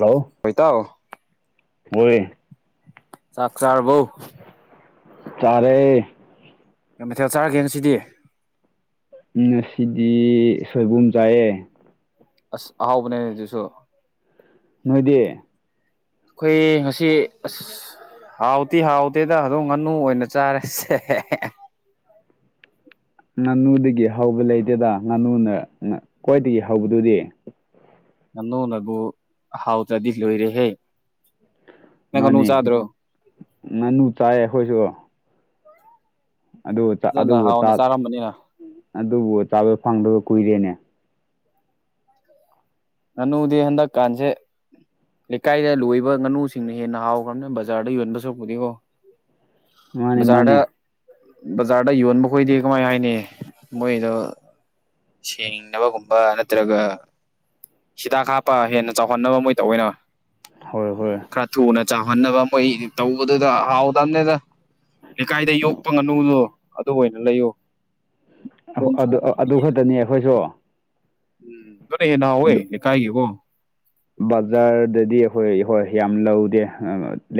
Hello ꯍꯣꯏ ꯏꯇꯥꯎ ꯆꯥꯛ ꯆꯥꯥꯔꯕꯣ ꯆꯥꯔꯦ ꯃꯊꯦꯜ ꯆꯥꯔꯒꯦ ꯉꯁꯤꯗꯤ ꯑꯩ ꯉꯁꯤꯗꯤ ꯁꯣꯏꯕꯨꯝ ꯆꯥꯏꯌꯦ ꯑꯁ ꯑꯍꯥꯎꯕꯅꯦ ꯑꯗꯨꯁꯨ ꯅꯣꯏꯗꯤ ꯑꯩꯈꯣꯏ ꯉꯁꯤ ꯑꯁ ꯍꯥꯎꯇꯤ ꯍꯥꯎꯇꯦꯗ ꯑꯗꯨꯝ ꯉꯥꯅꯨ ꯑꯣꯏꯅ ꯆꯥꯔꯦꯁꯦ ꯉꯥꯅꯨꯗꯒꯤ ꯍꯧꯕ ꯂꯩꯇꯦꯗ ꯉꯥꯅꯨꯅ ꯈ꯭ꯋꯥꯏꯗꯒꯤ ꯍꯧꯕꯗꯨꯗꯤ ꯉꯅꯨꯅꯕꯨ ꯍꯥꯎꯇ꯭ꯔꯗꯤ ꯂꯣꯏꯔꯦꯍꯦ ꯅꯪ ꯉꯥꯅꯨ ꯃꯥꯅꯤ ꯆꯥꯗ꯭ꯔꯣ ꯉꯥꯅꯨ ꯆꯥꯏ ꯑꯩꯈꯣꯏꯁꯨ ꯑꯗꯨꯕꯨ ꯆꯥ ꯐꯖꯅ ꯑꯗꯨꯕꯨ ꯆꯥ ꯍꯥꯎꯅ ꯆꯥꯔꯝꯕꯅꯤꯅ ꯑꯗꯨꯕꯨ ꯆꯥꯕ ꯐꯪꯗꯕ ꯀꯨꯏꯔꯦꯅꯦ ꯉꯅꯨꯗꯤ ꯍꯟꯗꯛ ꯀꯥꯟꯖꯦ ꯂꯩꯀꯥꯏꯗ ꯂꯣꯏꯕ ꯉꯥꯅꯨꯁꯤꯡꯅ ꯍꯦꯟꯅ ꯍꯥꯎꯈ꯭ꯔꯝꯅꯦ ꯕꯖꯥꯔꯗ ꯌꯣꯟꯕ ꯁꯔꯨꯛꯄꯨꯗꯤꯀꯣ ꯃꯥꯅꯦ ꯕꯖꯥꯔꯗ ꯃꯥꯅꯦ ꯕꯖꯥꯔꯗ ꯌꯣꯟꯕ ꯈꯣꯏꯗꯤ ꯀꯃꯥꯏ ꯍꯥꯏꯅꯤ ꯃꯣꯏꯗꯣ ꯁꯦꯡꯅꯕꯒꯨꯝꯕ ꯅꯠꯇ꯭ꯔꯒ ꯍꯤꯗꯥꯛ ꯍꯥꯞꯄ ꯍꯦꯟꯅ ꯆꯥꯎꯍꯟꯅꯕ ꯃꯣꯏ ꯇꯧꯑꯣꯏꯅ ꯍꯣꯏ ꯍꯣꯏ ꯊꯨꯅ ꯆꯥꯎꯍꯟꯅꯕ ꯃꯣꯏ ꯇꯧꯕꯗꯨꯗ ꯍꯥꯎꯗꯝꯅꯦꯗ ꯂꯩꯀꯥꯏꯗ ꯌꯣꯛꯄ ꯉꯥꯅꯨꯗꯣ ꯑꯗꯨ ꯑꯣꯏꯅ ꯂꯩꯌꯨ ꯑꯗꯨ ꯑꯗꯨ ꯈꯛꯇꯅꯤ ꯑꯩꯈꯣꯏꯁꯨ ꯎꯝ ꯗꯨꯅ ꯍꯦꯟꯅ ꯍꯥꯎꯋꯦ ꯂꯩꯀꯥꯏꯒꯤ ꯀꯣ ꯕꯖꯥꯔꯗꯗꯤ ꯑꯩꯈꯣꯏ ꯍꯣꯏ ꯌꯥꯝ ꯂꯧꯗꯦ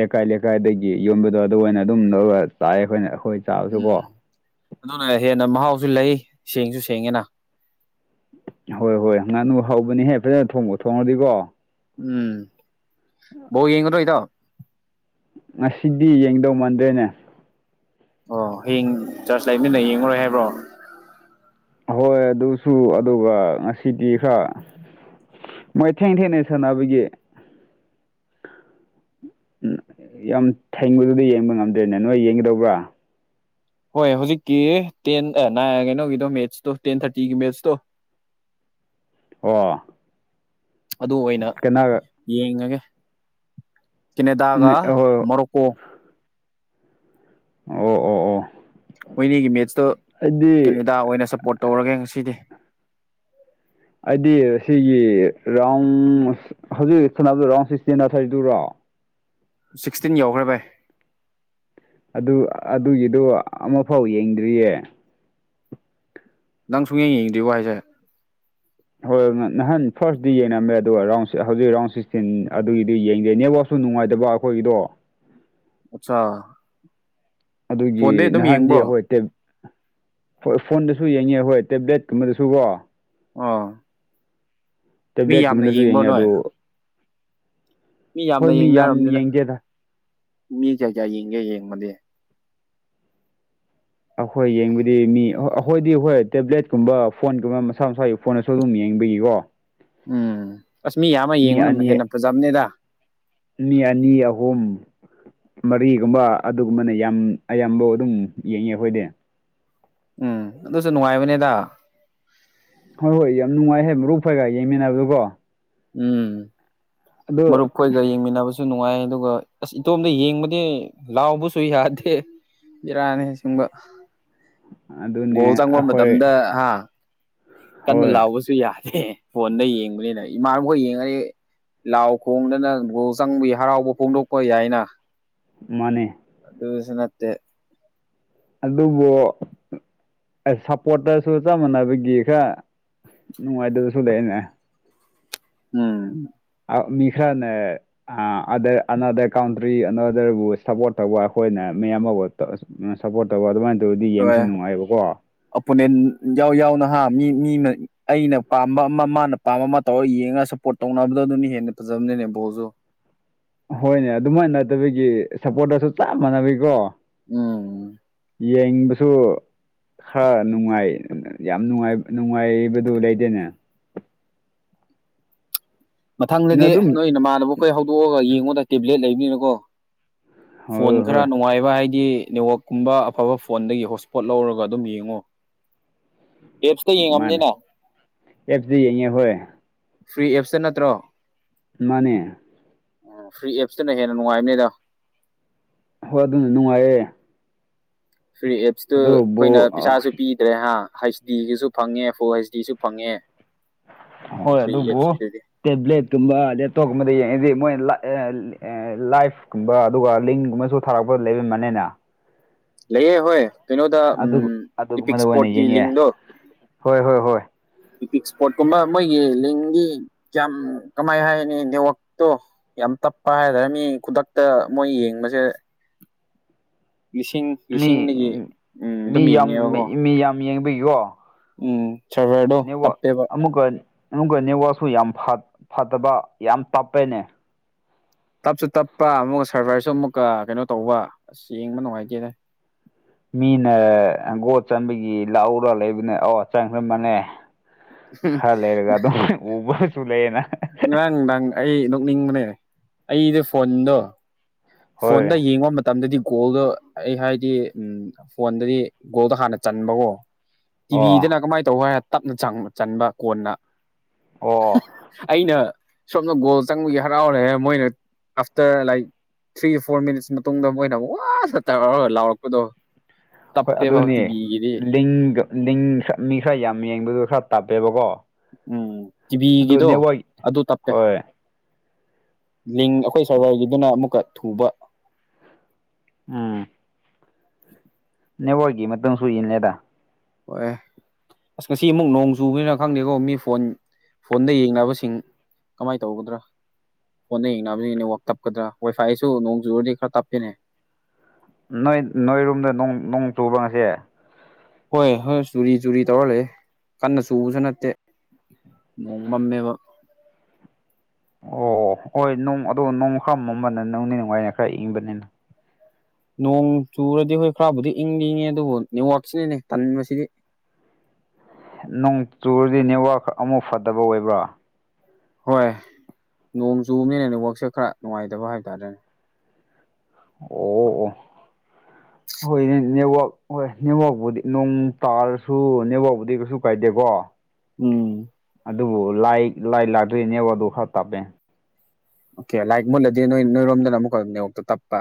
ꯂꯩꯀꯥꯏ ꯂꯩꯀꯥꯏꯗꯒꯤ ꯌꯣꯟꯕꯗꯣ ꯑꯗꯨ ꯑꯣꯏꯅ ꯑꯗꯨꯝ ꯂꯧꯔꯒ ꯆꯥꯏ ꯑꯩꯈꯣꯏꯅ ꯑꯩꯈꯣꯏ꯫ ꯎꯝ ꯆꯥꯕꯁꯨꯀꯣ ꯎꯝ ꯑꯗꯨꯅ ꯍꯦꯟꯅ ꯃꯍꯥꯎꯁꯨ ꯂꯩ ꯁꯦꯡꯁꯨ ꯁꯦꯡꯉꯦꯅ꯫ ꯍꯣꯏ ꯍꯣꯏ ꯉꯥꯡꯅꯨ ꯍꯧꯕꯅꯤꯍꯦ ꯐꯖꯅ ꯊꯣꯡꯕꯨ ꯊꯣꯡꯉꯗꯤꯀꯣ꯫ ꯎꯝ ꯕꯣꯜ ꯌꯦꯡꯒꯗꯔꯣ ꯏꯇꯥꯎ꯫ ꯉꯁꯤꯗꯤ ꯌꯦꯡꯗꯧ ꯃꯥꯟꯗ꯭ꯔꯦꯅꯦ꯫ ꯑꯣ ꯍꯌꯦꯡ ꯆꯥꯔꯖ ꯂꯩꯕꯅꯤꯅ ꯌꯦꯡꯉꯔꯣꯏ ꯍꯥꯏꯕ꯭ꯔꯣ꯫ ꯍꯣꯏ ꯑꯗꯨꯁꯨ ꯑꯗꯨꯒ ꯉꯁꯤꯗꯤ ꯈꯔ ꯃꯣꯏ ꯊꯦꯡ ꯊꯦꯡꯅ ꯁꯥꯟꯅꯕꯒꯤ꯫ ꯎ ꯌꯥꯝ ꯊꯦꯡꯕꯗꯨꯗꯤ ꯌꯦꯡꯕ ꯉꯝꯗꯦꯅꯦ ꯅꯣꯏ ꯌꯦꯡꯒꯗꯧꯕ꯭ꯔꯥ꯫ ꯍꯣꯏ ꯍꯧꯖꯤꯛꯀꯤ ꯇꯦꯟ ꯅꯥꯏ ꯑ ꯀꯩꯅꯣꯒꯤꯗꯣ ꯃꯦꯠꯁꯇꯣ ꯇꯦꯟ ꯊꯥꯔꯇꯤꯒꯤ ꯃꯦꯠꯁꯇꯣ꯫ [inaudible] ꯑꯣ꯫ ꯑꯗꯨ ꯑꯣꯏꯅ ꯀꯅꯥꯒ ꯌꯦꯡꯉꯒꯦ ꯀꯦꯅꯦꯗꯥꯒ ꯍꯣꯏ ꯑꯣ ꯃꯣꯔꯣꯛꯀꯣ꯫ ꯑꯣ ꯑꯣ ꯑꯣ꯫ ꯃꯣꯏꯅꯤꯒꯤ ꯃꯦꯠꯁꯇꯣ ꯑꯩꯗꯤ ꯀꯦꯅꯦꯗꯥ ꯑꯣꯏꯅ ꯁꯞꯄꯣꯔꯠ ꯇꯧꯔꯒꯦ ꯉꯁꯤꯗꯤ꯫ ꯑꯩꯗꯤ ꯁꯤꯒꯤ ꯔꯥꯎꯟ ꯍꯧꯖꯤꯛ ꯁꯥꯟꯅꯕꯗ ꯔꯥꯎꯟ ꯁꯤꯛꯁꯇꯤꯟ ꯊꯥꯔꯔꯤ ꯗꯨꯔꯣ꯫ ꯁꯤꯛꯁꯇꯤꯟ ꯌꯥꯎꯈ꯭ꯔꯦ ꯚꯥꯏ꯫ ꯑꯗꯨ ꯑꯗꯨꯒꯤꯗꯨ ꯑꯃꯐꯥꯎ ꯌꯦꯡꯗ꯭ꯔꯤꯌꯦ꯫ ꯅꯪ ꯁꯨꯌꯦꯡ ꯌꯦꯡꯗꯔꯤꯕꯣ ꯍꯥꯏꯖꯦ꯫ ꯍꯣꯏ ꯅꯍꯥꯟ ꯐꯥꯔꯁꯇꯗꯤ ꯌꯦꯡꯉꯝꯃꯦ ꯑꯗꯨꯒ ꯔꯥꯎꯟ ꯍꯧꯖꯤꯛ ꯔꯥꯎꯟ ꯁꯤꯛꯁꯇꯤꯟ ꯑꯗꯨꯒꯤꯗꯤ ꯌꯦꯡꯗꯦꯅꯦꯕꯣ꯫ ꯗꯨ ꯅꯨꯡꯉꯥꯏꯇꯕ ꯑꯈꯣꯏꯒꯤꯗꯣ꯫ ꯑꯠꯆꯥ꯫ ꯑꯗꯨꯒꯤ ꯐꯣꯟꯗꯩ ꯑꯗꯨꯝ ꯅꯍꯥꯟꯗꯣ ꯌꯦꯡꯕ꯭ꯔꯣ ꯑꯈꯣꯏ ꯇꯦꯞ ꯐꯣꯟ ꯐꯣꯟꯗꯁꯨ ꯌꯦꯡꯉꯦ ꯍꯣꯏ ꯇꯦꯕ꯭ꯂꯦꯠꯀꯨꯝꯕꯗꯁꯨ ꯀꯣ꯫ ꯑꯥ꯫ ꯇꯦꯕ꯭ꯂꯦꯠꯀꯨꯝꯕꯅꯁꯨ ꯌꯦꯡꯉꯤ ꯅꯣꯏ ꯑꯗꯨ꯫ ꯃꯤ ꯍꯣꯏ ꯌꯥꯝꯅ ꯌꯥꯝ ꯌꯦꯡꯅꯔꯕꯅꯤꯅ ꯌꯦꯡꯗꯦꯗ ꯃꯤ ꯀꯌꯥ ꯀꯌꯥ ꯌꯦꯡꯒꯦ ꯌꯦꯡꯕꯗꯤ꯫ ꯑꯈꯣꯏ ꯌꯦꯡꯕꯗꯤ ꯃꯤ ꯑꯩꯥꯈꯣꯏꯗꯤ ꯑꯈꯣꯏ ꯇꯦꯕ꯭ꯂꯦꯠꯀꯨꯝꯕ ꯐꯣꯟꯒꯨꯝꯕ ꯃꯁꯥ ꯃꯁꯥ꯫ ꯐꯣꯟꯗꯁꯨ ꯑꯗꯨꯝ ꯌꯦꯡꯕꯤꯒꯤꯀꯣ꯫ ꯎꯝ ꯑꯁ ꯃꯤ ꯌꯥꯝꯃ ꯌꯦꯡꯕꯅ ꯑꯅꯤ ꯍꯦꯟꯅ ꯐꯖꯕꯅꯦꯗ꯫ ꯃꯤ ꯑꯅꯤ ꯑꯍꯨꯝ꯫ ꯃꯔꯤꯒꯨꯝꯕ ꯑꯗꯨꯒꯨꯝꯕꯅ ꯌꯥꯝ ꯑꯌꯥꯝꯕꯧ ꯑꯗꯨꯝ ꯌꯦꯡꯉꯦ ꯑꯈꯣꯏꯗꯤ꯫ ꯎꯝ ꯑꯗꯨꯁꯨ ꯅꯨꯡꯉꯥꯏꯕꯅꯦꯗ꯫ ꯍꯣꯏ ꯌꯥꯝ ꯅꯨꯡꯉꯥꯏꯍꯦ ꯃꯔꯨꯞ ꯈꯣꯢꯒ ꯌꯦꯡꯃꯤꯟꯅꯕꯗꯨꯀꯣ꯫ ꯎꯝ ꯑꯗꯣ ꯃꯔꯨꯞ꯫ ꯑꯈꯣꯏꯒ ꯌꯦꯡꯃꯤꯟꯅꯕꯁꯨ ꯅꯨꯡꯉꯥꯏ ꯑꯗꯨꯒ ꯑꯁ ꯏꯇꯣꯝꯗ ꯌꯦꯡꯕꯗꯤ ꯂꯥꯎꯕꯁꯨ ꯌꯥꯗꯦ꯫ ꯕꯤꯔꯥꯅꯤ ꯑꯁꯦꯡꯕ꯫ ꯒꯣꯜ ꯑꯗꯨꯅꯦ ꯆꯪꯕ ꯑꯩꯈꯣꯏ ꯃꯇꯝꯗ ꯍꯥ ꯀꯟꯅ ꯍꯣꯏ ꯂꯥꯎꯕꯁꯨ꯫ ꯁꯨ ꯌꯥꯗꯦ ꯐꯣꯟꯗ ꯌꯦꯡꯕꯅꯤꯅ ꯏꯃꯥꯟꯅꯕꯈꯣꯏ ꯌꯦꯡꯉꯗꯤ ꯂꯥꯎ ꯈꯣꯡꯗꯅ ꯒꯣꯜ ꯆꯪꯕꯒꯤ ꯍꯔꯥꯎꯕ ꯐꯣꯡꯗꯣꯛꯄ ꯌꯥꯏꯅ꯫ ꯃꯥꯅꯦ꯫ ꯑꯗꯨꯁꯨ ꯅꯠꯇꯦ꯫ ꯑꯗꯨꯕꯨ ꯁꯞꯄꯣꯇꯔꯁꯨ ꯆꯞ ꯃꯥꯟꯅꯕꯒꯤ ꯈ꯫ ꯅꯨꯡꯉꯥꯏꯇꯕꯁꯨ ꯂꯩꯅꯦ꯫ ꯎꯝ꯫ ꯑ ꯃꯤꯈ꯭ꯔꯥꯅ꯫ ꯑ ꯑꯗ ꯑꯅꯥꯗꯔ ꯀꯥꯎꯟꯇ꯭ꯔꯤ ꯑꯅꯥꯗꯔꯕꯨ ꯁꯞꯄꯣꯔꯠ ꯇꯧꯕ ꯑꯈꯣꯏꯅ ꯃꯤ ꯑꯃꯕꯨ [unintelligible] ꯁꯞꯄꯣꯔꯠ ꯇꯧꯕ ꯑꯗꯨꯃꯥꯏꯅ ꯇꯧꯔꯗꯤ ꯌꯦꯡꯕꯁꯨ ꯍꯣꯏ ꯅꯨꯡꯉꯥꯏꯌꯦꯕꯀꯣ꯫ ꯑꯣꯄꯣꯅꯦꯟ ꯌꯥꯎ ꯌꯥꯎꯅ ꯍꯥ ꯃꯤ ꯃꯤꯅ ꯑꯩꯅ ꯄꯥꯝꯕ ꯃꯥ ꯃꯥꯅ꯫ ꯑꯄꯥꯝꯕ ꯑꯃ ꯇꯧꯔꯒ ꯌꯦꯡꯉꯒ ꯁꯄꯣꯔꯠ ꯇꯧꯅꯕꯗ ꯑꯗꯨꯅ ꯍꯦꯟꯅ ꯐꯖꯕꯅꯦ ꯕꯣꯜꯖꯨ꯫ ꯍꯣꯏꯅꯦ ꯑꯗꯨꯃꯥꯏꯅ ꯅꯠꯇꯕꯒꯤ ꯁꯞꯄꯣꯔꯠꯇꯁꯨ ꯆꯞ ꯃꯥꯟꯅꯕꯒꯤꯀꯣ꯫ ꯎꯝ꯫ ꯌꯦꯡꯕꯁꯨ꯫ ꯍ ꯅꯨꯡꯉꯥꯏ ꯌꯥꯝꯅꯨꯢꯉꯥꯡ ꯅꯨꯡꯉꯥꯏꯕꯗꯨ ꯂꯩꯗꯦꯅꯦ꯫ ꯃꯊꯪꯗꯗꯤ ꯑꯗꯨꯝ ꯅꯣꯏ ꯅꯃꯥꯟꯅꯕꯈꯣꯏ ꯍꯧꯗꯣꯛꯑꯒ ꯌꯦꯡꯉꯣꯗ ꯇꯦꯕ꯭ꯂꯦꯠ ꯂꯩꯕꯅꯤꯅꯀꯣ꯫ ꯐꯣꯟ ꯍꯣꯏ ꯈꯔ ꯍꯣꯏ ꯅꯨꯡꯉꯥꯏꯕ ꯍꯥꯏꯗꯤ ꯅꯦꯠꯋꯥꯛꯀꯨꯝꯕ ꯑꯐꯕ ꯐꯣꯟꯗꯒꯤ ꯍꯣꯠꯁꯄꯣꯠ ꯂꯧꯔꯒ ꯑꯗꯨꯝ ꯌꯦꯡꯉꯣ꯫ ꯑꯦꯞꯁꯇ ꯃꯥꯅꯦ ꯌꯦꯡꯉꯝꯅꯤꯅ꯫ ꯑꯦꯞꯁꯇ ꯌꯦꯡꯉꯦ ꯍꯣꯏ ꯐ꯭ꯔꯤ ꯑꯦꯞꯁꯇ ꯅꯠꯇ꯭ꯔꯣ꯫ ꯃꯥꯅꯦ꯫ ꯑꯣ ꯐ꯭ꯔꯤ ꯑꯦꯞꯁꯇꯅ ꯍꯦꯟꯅ ꯅꯨꯡꯉꯥꯏꯕꯅꯤꯗ꯫ ꯍꯣꯏ ꯑꯗꯨꯅ ꯅꯨꯡꯉꯥꯏꯌꯦ꯫ ꯐ꯭ꯔꯤ ꯑꯦꯞꯁꯇꯨ ꯑꯩꯥꯈꯣꯏꯅ ꯑꯗꯨꯕꯨ ꯄꯩꯁꯥꯁꯨ ꯄꯤ꯫ ꯗ꯭ꯔꯦ ꯍꯥꯥ ꯍꯩꯁ ꯗꯤꯒꯤꯁꯨ ꯐꯪꯉꯦ ꯕꯣꯏꯁꯀꯤꯁꯨ ꯍꯩꯁ ꯗꯤꯁꯨ ꯐꯪꯉꯦ꯫ ꯍꯣꯏ ꯐ꯭ꯔꯤ ꯑꯗꯨꯕꯨ ꯑꯦꯞꯁꯀꯤꯗꯨꯗꯤ ꯇꯦꯕ꯭ꯂꯦꯠꯀꯨꯝꯕ ꯂꯦꯞꯇꯣꯞꯀꯨꯝꯕꯗ ꯌꯦꯡꯉꯗꯤ ꯃꯣꯏ ꯂꯥꯏꯐꯀꯨꯝꯕ ꯑꯗꯨꯒ ꯂꯤꯡꯒꯨꯝꯕꯁꯨ ꯊꯥꯔꯛꯄꯗ ꯂꯩꯕꯕꯅꯤꯅ꯫ ꯂꯩꯌꯦ ꯍꯣꯏ ꯀꯩꯅꯣꯗ ꯑꯗꯨ ꯎꯃ ꯏꯄꯤꯛ ꯑꯗꯨꯒꯨꯝꯕꯗ ꯑꯣꯏꯅ ꯏꯁꯄꯣꯔꯠꯀꯤ ꯌꯦꯡꯉꯦ ꯂꯤꯡꯗꯣ꯫ ꯍꯣꯏ ꯍꯣꯏ ꯍꯣꯏ꯫ ꯄꯤꯛꯅꯤꯛ ꯏꯁꯄꯣꯠꯀꯨꯝꯕ ꯃꯣꯏꯒꯤ ꯂꯤꯡꯒꯤ ꯀꯌꯥꯝ ꯀꯃꯥꯏ ꯍꯥꯏꯅꯤ ꯅꯦꯠꯋꯛꯇꯣ꯫ ꯌꯥꯝ ꯇꯞꯄ ꯍꯥꯏꯇꯥꯔꯦ ꯃꯤ ꯈꯨꯗꯛꯇ ꯃꯣꯏ ꯌꯦꯡꯕꯁꯦ ꯂꯤꯁꯤꯡ ꯃꯤ ꯂꯤꯁꯤꯡꯗꯒꯤ ꯎꯝ ꯃꯤ ꯑꯗꯨꯝ ꯌꯥꯝ ꯌꯦꯡꯉꯦꯕꯀꯣ ꯃꯤ ꯌꯥꯝ ꯌꯦꯡꯕꯒꯤꯀꯣ꯫ ꯎꯝ ꯐꯔꯦ ꯐꯔꯦ ꯑꯗꯣ ꯇꯞꯄꯦꯕ꯫ ꯑꯥꯃꯨꯛꯀ ꯑꯗꯨꯒ ꯅꯦꯠꯋꯥꯛꯁꯨ ꯌꯥꯝ ꯐꯠꯇꯕ ꯌꯥꯝ ꯇꯞꯄꯦꯅꯦ꯫ ꯇꯞꯁꯨ ꯇꯞꯄ ꯑꯃꯨꯛꯀ ꯁꯔꯚꯔꯁꯨ ꯑꯃꯨꯛꯀ ꯀꯩꯅꯣ ꯇꯧꯕ ꯑꯁ ꯌꯦꯡꯕ ꯅꯨꯡꯉꯥꯏꯇꯦꯅꯦ꯫ ꯃꯤꯅ ꯑꯒꯣꯠ ꯆꯟꯕꯒꯤ ꯂꯥꯛꯎꯔꯥ ꯂꯩꯕꯅꯦ ꯑꯣ ꯆꯪꯈ꯭ꯔꯕꯅꯦ꯫ ꯈꯔ ꯂꯩꯔꯒ ꯑꯗꯨꯝ ꯎꯕꯁꯨ ꯂꯩꯌꯦꯅ꯫ ꯉꯔꯥꯡ ꯅꯪ ꯑꯩ ꯅꯣꯛꯅꯤꯡꯕꯅꯦ ꯑꯩꯗ ꯐꯣꯟꯗꯣ ꯍꯣꯏ ꯐꯣꯟꯗ ꯌꯦꯡꯉꯨ ꯃꯠ ꯃꯇꯝꯗꯗꯤ ꯒꯣꯜꯗꯣ ꯑꯩ ꯍꯥꯏꯗꯤ ꯎꯝ ꯐꯣꯟꯗꯗꯤ ꯒꯣꯜꯗꯣ ꯍꯥꯟꯅ ꯆꯟꯕꯀꯣ꯫ ꯑꯣ ꯇꯤꯚꯤꯗꯅ ꯀꯃꯥꯏꯅ ꯇꯧꯕ ꯍꯥꯏ ꯇꯞꯅ ꯆꯟꯕ ꯀꯣꯟꯅ꯫ ꯑꯣ ꯑꯩꯅ ꯁꯣꯝꯅ ꯒꯣꯜ ꯆꯪꯕꯒꯤ ꯍꯔꯥꯎꯔꯦ ꯃꯣꯏꯅ after like three four minutes ꯃꯇꯨꯡꯗ ꯃꯣꯏꯅ ꯋꯥ ꯇꯧꯔꯒ ꯂꯥꯎꯔꯛꯄꯗꯣ꯫ ꯍꯣꯏ ꯇꯞꯄꯦꯕ ꯑꯗꯨꯅꯦ ꯇꯤꯚꯤꯒꯤꯗꯤ ꯃꯤ ꯈꯔ ꯌꯥꯝ ꯌꯦꯡꯕꯗꯣ ꯈꯔ ꯇꯥꯞꯄꯦꯕꯀꯣ꫰ ꯎꯝ ꯇꯤꯚꯤꯒꯤꯗꯣ ꯑꯗꯨ ꯇꯞꯀꯦ꯫ ꯍꯣꯏ ꯂꯤꯡ ꯑꯩꯈꯣꯏ ꯁꯔꯕꯥꯔꯒꯤꯗꯨꯅ ꯑꯃꯨꯛꯀ ꯊꯨꯕ꯫ ꯎꯝ꯫ [inaudible] ꯅꯦꯠꯋꯥꯛꯒꯤ ꯃꯇꯨꯡꯁꯨ ꯏꯟꯂꯤꯗ꯫ ꯍꯣꯏꯌꯦ꯫ ꯑꯁ ꯉꯁꯤ ꯑꯃꯨꯛ ꯅꯣꯡ ꯆꯨꯕꯅꯤꯅ ꯈꯪꯗꯦꯀꯣ ꯃꯤ ꯐꯣꯟ ꯐꯣꯟꯗ ꯌꯦꯡꯅꯕꯁꯤꯡ꯫ ꯀꯃꯥꯏꯅ ꯇꯧꯒꯗ꯭ꯔꯥ꯫ ꯍꯣꯟꯟꯅ ꯌꯦꯡꯅꯕꯁꯤꯡꯅꯦ ꯋꯥꯛ ꯇꯞꯀꯗ꯭ꯔꯥ ꯋꯥꯏꯐꯥꯏꯁꯨ ꯅꯣꯡ ꯆꯨꯨꯔꯗꯤ ꯈꯔ ꯇꯞꯄꯤꯅꯦ꯫ ꯅꯣꯏ ꯅꯣꯏꯔꯨꯝꯗ ꯅꯣꯡ ꯅꯣꯡ ꯆꯨꯕ ꯉꯁꯤ꯫ ꯍꯣꯏ ꯍꯣꯏ ꯆꯨꯔꯤ ꯆꯨꯔꯤ ꯇꯧꯔ ꯂꯩꯌꯦ ꯀꯟꯅ ꯆꯨꯕꯁꯨ ꯅꯠꯇꯦ꯫ ꯅꯣꯡꯃꯝꯃꯦꯕ꯫ ꯑꯣ ꯍꯣꯏ ꯅꯣꯡ ꯑꯗꯣ ꯅꯣꯡꯃ ꯈꯔ ꯃꯝꯕꯅ ꯅꯨꯡꯗꯤ ꯅꯨꯡꯉꯥꯏ ꯈꯔ ꯏꯪꯕꯅꯤꯅ꯫ ꯅꯣꯡ ꯆꯨꯔꯗꯤ ꯍꯣꯏ ꯈꯔꯕꯨꯗꯤ ꯏꯪꯗꯤ ꯏꯉꯦ ꯑꯗꯨꯕꯨ ꯅꯦꯠꯋꯥꯛꯁꯤꯅꯅꯦ ꯇꯟꯕꯁꯤꯗꯤ꯫ ꯅꯣꯡ ꯆꯨꯔꯗꯤ ꯅꯦꯠꯋꯔꯥꯛ ꯑꯃꯨꯛ ꯐꯠꯇꯕ ꯑꯣꯏꯕ꯭ꯔꯥ꯫ ꯍꯣꯏ ꯅꯣꯡ ꯆꯨꯕꯅꯤꯅ ꯋꯥꯛꯁꯦ ꯈꯔ ꯅꯨꯡꯉꯥꯏꯇꯕ ꯍꯥꯏꯕꯇꯥꯥꯔꯦꯅꯦ꯫ ꯑꯣ ꯑꯣ ꯑꯣ꯫ ꯍꯣꯏ ꯅꯦꯠꯋꯥꯛ ꯍꯣꯏ ꯅꯦꯠꯋꯥꯛꯄꯨꯗꯤ ꯅꯣꯡ ꯇꯥꯔꯁꯨ ꯅꯦꯠꯋꯥꯛꯄꯨꯗꯤ ꯀꯩꯁꯨ ꯀꯥꯏꯗꯦꯀꯣ꯫ ꯎꯝ꯫ ꯑꯗꯨꯕꯨ ꯂꯥꯏ ꯂꯥꯏ ꯂꯥꯛꯇ꯭ꯔꯥꯗꯤ ꯅꯦꯠꯋꯥꯛ ꯗꯨ ꯈꯔ ꯇꯥꯞꯄꯦ꯫ ꯑꯣꯀꯦ ꯂꯥꯏꯛ ꯃꯨꯠꯂꯗꯤ ꯅꯣꯏ ꯅꯣꯏꯔꯣꯝꯗꯅ ꯑꯃꯨꯛꯀ ꯅꯣꯛꯇꯨ ꯇꯞꯄꯥ꯫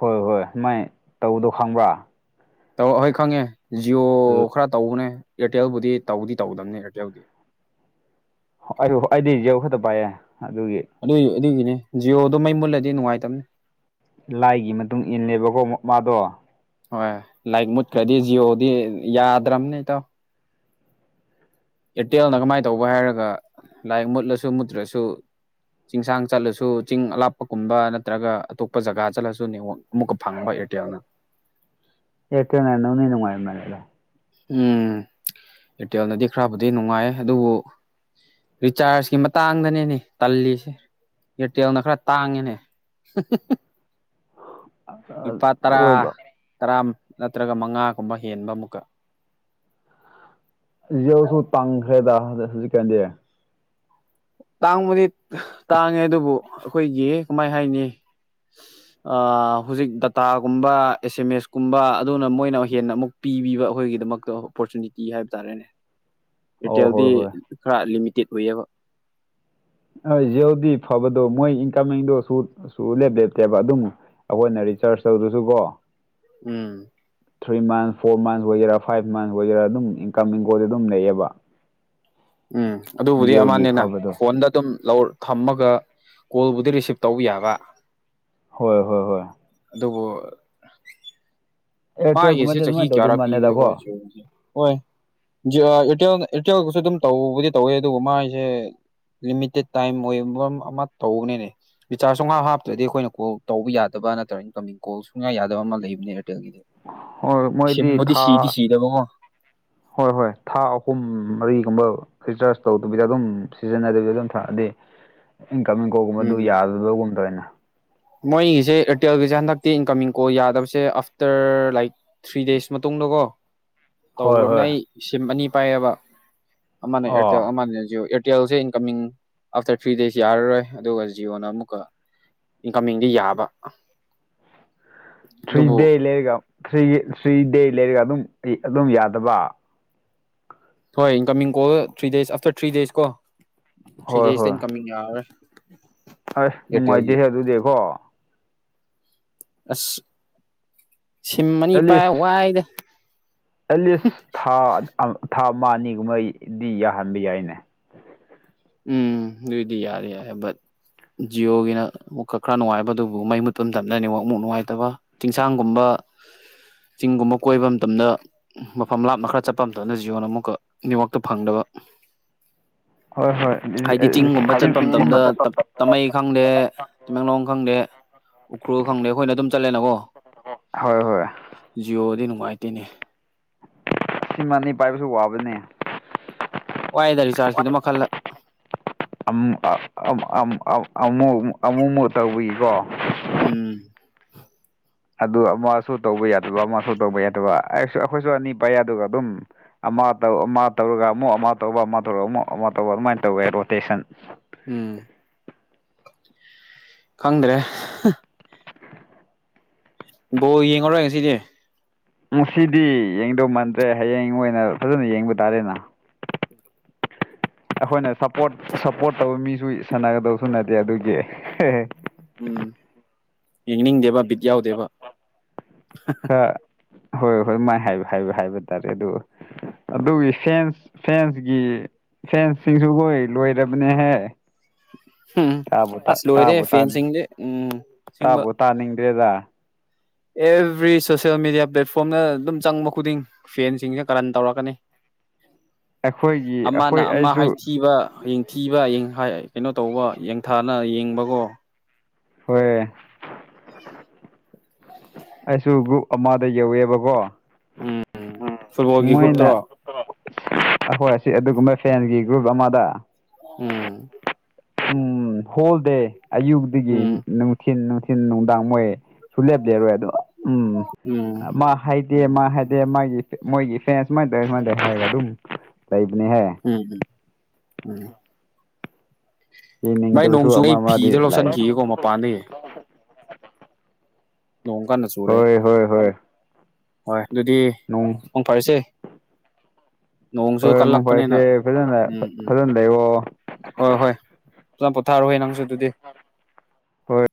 ꯍꯣꯏ ꯍꯣꯏ ꯃꯥꯏ ꯇꯧꯗꯣ ꯈꯪꯕ꯭ꯔꯥ꯫ ꯇꯧ ꯑꯩꯍꯣꯏ ꯈꯪꯉꯦ ꯖꯤꯌꯣ ꯈꯔ ꯇꯧꯕꯅꯦ ꯑꯦꯔꯇꯦꯜꯕꯨꯗꯤ ꯇꯧꯗꯤ ꯇꯧꯗꯕꯅꯦ ꯑꯦꯔꯇꯦꯜꯗꯤ꯫ ꯑꯗꯨ ꯑꯩꯗꯤ ꯖꯤꯌꯣ ꯈꯛꯇ ꯄꯥꯏꯌꯦ ꯑꯗꯨꯒꯤ ꯑꯗꯨꯏ ꯑꯗꯨꯒꯤꯅꯦ ꯖꯤꯑꯣꯗꯣ ꯃꯩ ꯃꯨꯠꯂꯗꯤ ꯅꯨꯡꯉꯥꯏꯇꯕꯅꯦ ꯂꯥꯏꯒꯤ ꯃꯇꯨꯡ ꯏꯜꯂꯦꯕꯀꯣ ꯃꯥꯄꯥꯗꯣ ꯍꯣꯏ ꯂꯥꯏꯛ ꯃꯨꯠꯈ꯭ꯔꯗꯤ ꯖꯤꯑꯣꯗꯤ ꯌꯥꯗ꯭ꯔꯕꯅꯦ ꯏꯇꯥꯎ ꯑꯦꯔꯇꯦꯜꯅ ꯀꯃꯥꯏꯅ ꯇꯧꯕ ꯍꯥꯏꯔꯒ ꯂꯥꯏꯛ ꯃꯨꯠꯂꯁꯨ ꯃꯨꯠꯇ꯭ꯔꯁꯨ ꯆꯤꯡꯁꯥꯡ ꯆꯠꯂꯁꯨ ꯆꯤꯡ ꯑꯂꯥꯞꯄꯒꯨꯝꯕ ꯅꯠꯇ꯭ꯔꯒ ꯑꯇꯣꯞꯄ ꯖꯒꯥ ꯆꯠꯂꯁꯨ ꯅꯦꯠꯋꯥꯛ ꯑꯃꯨꯛꯀ ꯐꯪꯕ ꯑꯦꯔꯇꯦꯜꯅ ꯑꯦꯔꯇꯦꯜꯅ ꯅꯨꯡꯗꯤ ꯅꯨꯉꯥꯏ ꯃꯥꯜꯂꯦꯗ ꯎꯝ ꯑꯦꯔꯇꯦꯜꯅꯗꯤ ꯈꯔꯕꯨꯗꯤ ꯅꯨꯡꯉꯥꯏꯌꯦ ꯑꯗꯨꯕꯨ ꯔꯤꯆꯥꯔꯖꯀꯤ ꯃꯇꯥꯡꯗꯅꯦꯅꯦ ꯇꯜꯂꯤꯁꯦ ꯑꯦꯌꯥꯔꯇꯦꯜꯅ ꯈꯔꯥ ꯇꯥꯡꯉꯦꯅꯦ ꯂꯨꯄꯥ ꯇꯔꯥ ꯑꯣꯏꯕ ꯇꯔꯥ ꯅꯠꯇ꯭ꯔꯒ ꯃꯉꯥꯒꯨꯝꯕ ꯍꯦꯟꯕ ꯑꯃꯨꯛꯀ ꯖꯤꯌꯣꯁꯨ ꯇꯪꯈ꯭ꯔꯦꯗ ꯍꯧꯖꯤꯛꯀꯥꯟꯗꯤ ꯇꯥꯡꯕꯗꯤ ꯇꯥꯡꯉꯦ ꯑꯗꯨꯕꯨ ꯑꯩꯈꯣꯏꯒꯤ ꯀꯃꯥꯏ ꯍꯥꯏꯅꯤ [inaudible] ꯑ ꯍꯧꯖꯤꯛ ꯗꯥꯇꯥꯒꯨꯝꯕ ꯑꯦꯁ ꯃꯦꯁ ꯀꯨꯝꯕ ꯑꯗꯨꯅ ꯃꯣꯏꯅ ꯍꯦꯟꯅ ꯑꯃꯨꯛ ꯄꯤꯕꯤꯕ ꯑꯩꯈꯣꯏꯒꯤꯗꯃꯛꯇ ꯑꯣꯄꯣꯔꯆꯨꯅꯤꯇꯤ ꯍꯥꯏꯕ ꯇꯥꯔꯦꯅꯦ ꯑꯣ ꯑꯦꯔꯇꯦꯜꯗꯤ ꯍꯣꯏ ꯍꯣꯏ ꯈꯔꯥ ꯂꯤꯃꯤꯇꯦꯠ ꯑꯣꯏꯌꯦꯕ ꯑ ꯖꯤꯌꯣꯗꯤ ꯐꯕꯗꯣ ꯃꯣꯏ ꯏꯟꯀꯃꯤꯡꯗꯣ ꯁꯨ ꯁꯨꯂꯦꯞ ꯂꯦꯞꯇꯦꯕ ꯑꯗꯨꯝ ꯑꯩꯈꯣꯏꯅ ꯔꯤꯆꯥꯥꯔꯁ ꯇꯧꯗꯔꯥꯁꯨ ꯀꯣ um three months four months ꯑꯣꯏꯒꯦꯔꯥ ꯐꯥꯏꯚ ꯃꯟ ꯑꯣꯏꯒꯦꯔꯥ ꯑꯗꯨꯝ ꯏꯟꯀꯃꯤꯡ ꯀꯣꯜꯗꯤ ꯑꯗꯨꯝ ꯂꯩꯌꯦꯕ ꯎꯝ ꯑꯗꯨꯕꯨꯗꯤ ꯖꯤꯑꯣꯒꯤ ꯑꯃꯥꯅꯦꯅ ꯐꯕꯗꯣ ꯐꯣꯟꯗ ꯑꯗꯨꯝ ꯂꯧ ꯊꯝꯃꯒ ꯀꯣꯜꯕꯨꯗꯤ ꯔꯤꯁꯤꯞ ꯇꯧꯕ ꯌꯥꯕ ꯍꯣꯏ ꯍꯣꯏ ꯍꯣꯏ ꯑꯗꯨꯕꯨ ꯃꯥꯒꯤꯁꯦ ꯑꯦꯌꯥꯔꯇꯦꯜꯒꯨꯝꯕꯗꯤ ꯑꯗꯨꯃꯥꯏꯅ ꯆꯥꯍꯤ ꯇꯧꯗꯧ ꯀꯌꯥꯔꯥ ꯄꯤꯕꯗꯣ ꯃꯥꯜꯂꯦꯗꯀꯣ ꯖꯤꯌꯣꯒꯤꯖꯦ ꯍꯣꯏ ꯖꯤꯌꯥ ꯑꯦꯔꯇꯦꯜ ꯑꯦꯔꯇꯦꯜꯒꯁꯨ ꯑꯗꯨꯝ ꯇꯧꯕꯨꯗꯤ ꯇꯧꯋꯦ ꯑꯗꯨꯒ ꯃꯥꯏꯖꯦ ꯂꯤꯃꯤꯇꯦꯠ ꯇꯥꯏꯝ ꯑꯣꯏꯕ ꯑꯃꯥ ꯇꯧꯕꯅꯦꯅꯦ ꯔꯤꯆꯥꯔꯁ ꯁꯨꯡꯍꯥꯞ ꯍꯥꯞꯇ꯭ꯔꯗꯤ ꯑꯩꯈꯣꯏꯅ ꯀꯣꯜ ꯇꯧꯕ ꯌꯥꯗꯕ ꯅꯠꯇ꯭ꯔꯒ ꯏꯟꯀꯃꯤꯡ ꯀꯣꯜ ꯁꯨꯛꯌꯥ ꯌꯥꯗꯕ ꯑꯃꯥ ꯂꯩꯕꯅꯦ ꯑꯦꯔꯇꯦꯜ ꯒꯤꯗꯤ ꯍꯣꯏ ꯍꯣꯏ ꯃꯣꯏꯗꯤ ꯊꯥ ꯁꯤꯗꯕꯀꯣ ꯍꯣꯏ ꯍꯣꯏ ꯊꯥ ꯑꯍꯨꯝ ꯃꯔꯤꯒꯨꯝꯕ ꯔꯤꯆꯔꯖ ꯇꯧꯗꯕꯤꯗ ꯑꯗꯨꯝ ꯁꯤꯖꯤꯟꯅꯗꯕꯤꯗ ꯑꯗꯨꯝ ꯊꯝꯑꯗꯤ ꯏꯟꯀꯝꯃꯤꯡ ꯀꯣꯜꯒꯨꯝꯕ ꯑꯗꯨ ꯎꯝ ꯌꯥꯗꯗꯒꯨꯝ ꯇꯧꯏꯅꯦ ꯃꯣꯏꯒꯤꯁꯦ ꯑꯦꯔꯇꯦꯜꯒꯤꯖꯦ ꯍꯟꯗꯛꯇꯤ ꯏꯟꯀꯝꯃꯤꯡ ꯀꯣꯜ ꯌꯥꯗꯕꯁꯦ ꯑꯥꯐꯇꯔ ꯂꯥꯏꯛ ꯊ꯭ꯔꯤ ꯗꯦꯁ ꯃꯇꯨꯡꯗꯀꯣ ꯍꯣꯏ ꯇꯧꯒ꯭ꯔꯕꯅꯦ ꯍꯣꯏ ꯑꯩ ꯁꯤꯝ ꯑꯅꯤ ꯄꯥꯏꯌꯦꯕ ꯑꯃꯥꯅ ꯑꯣ ꯑꯦꯔꯇꯦꯜ ꯑꯃꯥꯅ ꯖꯤꯑꯣ ꯑꯦꯔ ꯇꯦꯜꯁꯦ ꯏꯟꯀꯝꯃꯤꯡ ꯑꯥꯐꯇꯔ ꯊ꯭ꯔꯤ ꯗꯦꯖ ꯌꯥꯔꯔꯣꯏ ꯑꯗꯨꯒ ꯖꯤꯌꯣꯅ ꯑꯃꯨꯛꯀ ꯏꯟꯀꯝꯃꯤꯡꯗꯤ ꯌꯥꯕ ꯊ꯭ꯔꯤ ꯑꯗꯨꯕꯨ ꯗꯦ ꯂꯩꯔꯒ ꯊ꯭ꯔꯤ ꯊ꯭ꯔꯤ ꯗꯦ ꯂꯩꯔꯒ ꯑꯗꯨꯝ ꯑꯗꯨꯝ ꯌꯥꯗꯕ ꯍꯣꯏ incoming call three days after three days ꯀꯣ ꯊ꯭ꯔꯤ ꯍꯣꯏ ꯗꯦꯖꯇ ꯍꯣꯏ ꯏꯟꯀꯝꯃꯤꯡ ꯌꯥꯔꯔꯣꯏ ꯑꯁ ꯑꯦꯌꯥꯔꯇꯦꯜꯒꯤ ꯅꯨꯡꯉꯥꯏꯇꯦꯍꯦ ꯑꯗꯨꯗꯤꯀꯣ ꯑꯁ ꯁꯤꯝ ꯑꯅꯤ ꯄꯥꯏ ꯑꯦꯠꯂꯤꯁ ꯋꯥꯏꯗ ꯑꯦꯠꯂꯤꯁ ꯍꯨꯝ ꯊꯥ ꯊꯥ ꯑꯃꯥ ꯑꯅꯤꯒꯨꯝꯕꯩꯗꯤ ꯌꯥꯍꯟꯕ ꯌꯥꯏꯅꯦ ꯎꯝ ꯑꯗꯨꯗꯤ ꯌꯔꯤ ꯌꯥꯔꯤ ꯕꯠ ꯖꯤꯌꯣꯒꯤꯅ ꯑꯃꯨꯛꯀ ꯈꯔ ꯅꯨꯡꯉꯥꯏꯕ ꯑꯗꯨꯕꯨ ꯃꯩ ꯃꯨꯠꯄ ꯃꯇꯝꯗꯅ ꯅꯦꯠꯋꯥꯛ ꯑꯃꯨꯛ ꯅꯨꯡꯉꯥꯏꯇꯕ꯫ ꯆꯤꯡꯁꯥꯡꯒꯨꯝꯕ ꯆꯤꯡꯒꯨꯝꯕ ꯀꯣꯏꯕ ꯃꯇꯝꯗ ꯃꯐꯝ ꯂꯥꯞꯅ ꯈꯔ ꯆꯠꯄ ꯃꯇꯝꯗ ꯖꯤꯌꯣꯟꯅ ꯑꯃꯨꯛꯀ ꯅ꯭ꯦꯋꯥꯛꯇꯣ ꯐꯪꯗꯕ꯫ ꯍꯣꯏ ꯍꯣꯏ꯫ ꯍꯥꯏꯗꯤ ꯆꯤꯡꯒꯨꯝꯕ ꯆꯠꯄ ꯁꯤꯝ ꯃꯇꯝꯗ ꯇꯥꯃꯩ ꯈꯪꯗꯦ ꯇꯃꯦꯡꯂꯣꯡ ꯈꯪꯗꯦ ꯎꯈ꯭ꯔꯨꯜ ꯈꯪꯗꯦ ꯑꯈꯣꯏꯅ ꯑꯗꯨꯝ ꯆꯠꯂꯦꯅꯀꯣ꯫ ꯍꯣꯏ ꯍꯣꯏ꯫ ꯖꯤꯑꯣꯗꯤ ꯅꯨꯡꯉꯥꯏꯇꯦꯅꯦ꯫ ꯁꯤꯃ ꯑꯅꯤ ꯄꯥꯏꯕꯁꯨ ꯋꯥꯕꯅꯦ꯫ ꯋꯥꯏꯗ ꯔꯤꯆꯆꯥꯔꯖꯀꯤꯗꯝꯛ ꯈꯜꯂꯥ꯫ [unintelligible] ꯑꯃꯨꯃꯨꯛ ꯇꯧꯕꯋꯤꯀꯣ ꯎꯝ꯫ ꯑꯗꯨ ꯑꯃꯁꯨ ꯇꯧꯕ ꯌꯥꯗꯕ ꯑꯃꯁꯨ ꯇꯧꯕ ꯌꯥꯗꯕ ꯑꯩꯁꯨ ꯑꯩꯈꯣꯏꯁꯨ ꯑꯅꯤ ꯄꯥꯏ ꯑꯗꯨꯒ ꯑꯗꯨꯝ ꯑꯃ ꯇꯧ ꯑꯃ ꯇꯧꯔꯒ ꯑꯃꯨꯛ ꯑꯃ ꯇꯧꯕ ꯑꯃ ꯇꯧꯔꯒ ꯑꯃꯨꯛ ꯑꯃ ꯇꯧꯕ ꯑꯗꯨꯃꯥꯏꯅ ꯇꯧꯋꯦ ꯔꯣꯇꯦꯁꯟ꯫ ꯎꯝ꯫ ꯈꯪꯗ꯭ꯔꯦ꯫ ꯕꯣꯜ ꯌꯦꯡꯉꯔꯣꯏ ꯉꯁꯤꯗꯤ꯫ ꯉꯁꯤꯗꯤ ꯌꯦꯡꯗꯧ ꯃꯥꯟꯗ꯭ꯔꯦ ꯍꯌꯦꯡ ꯑꯣꯏꯅ ꯐꯖꯅ ꯌꯦꯡꯕ ꯇꯥꯔꯦꯅ꯫ ꯑꯈꯣꯏꯅ ꯁꯞꯄꯣꯔꯠ ꯁꯞꯄꯣꯔꯠ ꯇꯧꯕ ꯃꯤꯁꯨ ꯁꯥꯟꯅꯒꯗꯕꯁꯨ ꯅꯠꯇꯦ ꯑꯗꯨꯒꯤ꯫ ꯎꯝ ꯌꯦꯡꯅꯤꯡꯗꯦꯕ ꯕꯤꯠ ꯌꯥꯎꯗꯦꯕ ꯍꯥꯍꯥ꯫ ꯈ꯭ꯔꯥ ꯍꯣꯏ ꯍꯣꯏ ꯃꯥꯏ ꯍꯥꯏꯕ ꯇꯥꯔꯦ ꯑꯗꯨ ꯑꯗꯨꯒꯤ ꯐꯦꯟꯁ ꯐꯦꯟꯁꯒꯤ ꯐꯦꯟꯁꯁꯤꯡꯁꯨ ꯍꯣꯏ ꯂꯣꯏꯔꯕꯅꯦꯍꯦ꯫ ꯎꯝ ꯇꯥꯕꯨ ꯇꯥ ꯑꯁ ꯂꯣꯏꯔꯦ ꯇꯥꯕꯨ ꯇꯥꯟ ꯐꯦꯟꯁꯤꯡꯗꯤ ꯎꯝ ꯑꯁꯦꯡꯕ꯫ ꯇꯥꯕꯨ ꯇꯥꯅꯤꯡꯗ꯭ꯔꯦꯗ꯫ ꯑꯦꯚ꯭ꯔꯤ ꯁꯣꯁꯦꯜ ꯃꯦꯗꯤꯌꯥ ꯄ꯭ꯂꯦꯠꯐꯣꯝꯗ ꯑꯗꯨꯝ ꯆꯪꯕ ꯈꯨꯗꯤꯡ ꯐꯦꯟꯁꯤꯡꯁꯦ ꯀꯔꯟ ꯇꯧꯔꯛꯀꯅꯤ꯫ ꯑꯩꯈꯣꯏꯒꯤ ꯑꯃꯅ ꯑꯩꯈꯣꯏ ꯑꯃ ꯑꯩꯁꯨ ꯍꯥꯏꯊꯤꯕ ꯍꯌꯦꯡ ꯊꯤꯕ ꯌꯦꯡꯍꯩ ꯀꯩꯅꯣ ꯇꯧꯕ ꯌꯦꯡꯊꯥꯅ ꯌꯦꯡꯕꯀꯣ꯫ ꯍꯣꯏ꯫ ꯑꯩꯁꯨ ꯒ꯭ꯔꯨꯞ ꯑꯃꯗ ꯌꯧꯋꯦꯕꯀꯣ ꯎꯝ ꯐꯨꯠꯕꯣꯜꯒꯤ ꯃꯣꯏꯅ ꯒ꯭ꯔꯨꯞꯇꯔꯣ ꯑꯩꯈꯣꯏ ꯑꯁꯤ ꯑꯗꯨꯒꯨꯝꯕ ꯐꯦꯟꯒꯤ ꯒ꯭ꯔꯨꯞ ꯑꯃꯗ꯫ ꯎꯝ꯫ ꯎꯝ ꯍꯣꯜꯗꯦ ꯑꯌꯨꯛꯇꯒꯤ ꯎꯝ ꯅꯨꯡꯊꯤꯟ ꯅꯨꯡꯊꯤ ꯟ ꯅꯨꯡꯗꯥꯡ ꯃꯣꯏ ꯁꯨꯂꯦꯞ ꯂꯦꯞꯔꯣꯏ ꯑꯗꯨꯝ ꯎꯝ ꯃꯥ ꯍꯥꯏꯗꯤ ꯃꯥ ꯍꯥꯏꯗꯤ ꯃꯥꯒꯤ ꯃꯣꯏꯒꯤ ꯐꯦꯟꯁ ꯁꯨꯃꯥꯏꯗꯧ ꯁꯨꯃꯥꯏꯅ ꯇꯧ ꯍꯥꯏꯔꯒ ꯑꯗꯨꯝ ꯂꯩꯕꯅꯦꯍꯦ꯫ ꯎꯝ ꯎꯝ ꯎꯝ꯫ ꯚꯥꯏ ꯌꯦꯡꯅꯤꯡꯗꯕꯁꯨ ꯅꯣꯡꯆꯨꯌꯦ ꯑꯃ ꯑꯩ ꯐꯤꯗꯣ ꯑꯃꯗꯤ ꯂꯥꯛꯑꯦꯅꯦ ꯂꯧꯁꯤꯟꯈꯤꯒꯦꯀꯣ ꯃꯄꯥꯟꯗꯒꯤ꯫ ꯅꯣꯡ ꯀꯥꯟꯅ ꯆꯨꯔꯦ ꯍꯣꯏ ꯍꯣꯏ ꯍꯣꯏ ꯍꯣꯏ ꯑꯗꯨꯗꯤ ꯅꯣꯡ ꯃꯪ ꯐꯔꯁꯦ꯫ ꯅꯣꯡꯁꯨ ꯍꯣꯏ ꯃꯪ ꯐꯔꯁꯦ ꯀꯜꯂꯛꯄꯅꯤꯅ ꯐꯖꯅ ꯎꯝ ꯎꯝ꯫ ꯐꯖꯅ ꯂꯩꯌꯣ ꯍꯣꯏ ꯍꯣꯏ ꯐꯖꯅ ꯄꯣꯊꯥꯔꯣꯍꯦ ꯅꯪꯁꯨ ꯑꯗꯨꯗꯤ꯫ ꯍꯣꯏ